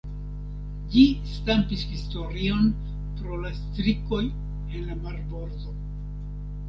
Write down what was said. Ĝi stampis historion pro la strikoj en la Marbordo.